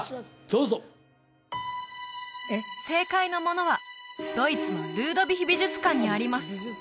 どうぞ正解のものはドイツのルードヴィヒ美術館にあります